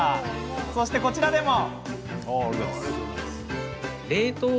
そして、こちらでも。